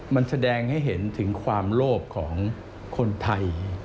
มันแสดงให้เห็นถึงความโลภของคนไทย